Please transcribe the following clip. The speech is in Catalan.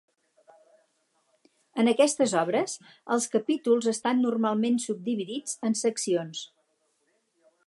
En aquestes obres, els capítols estan normalment subdividits en seccions.